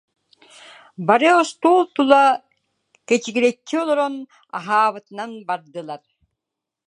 Бары остуол тула кэчигирэччи олорон, аһаабытынан бардылар